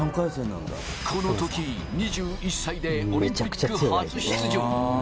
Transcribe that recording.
この時、２１歳でオリンピック初出場。